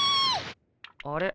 あれ？